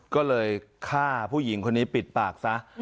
ก็เลยฆ่าผู้หญิงคนนี้ปิดปากซะ